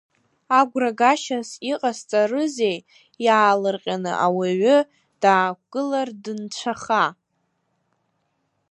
Агәрагашьас иҟасаҵрызеи иаалырҟьаны ауаҩы даақәгылар дынцәаха?